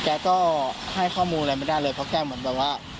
แกก็ให้ข้อมูลอะไรไม่ได้เลยเพราะแกเหมือนแบบว่า